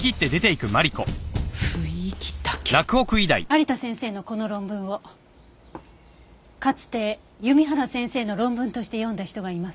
有田先生のこの論文をかつて弓原先生の論文として読んだ人がいます。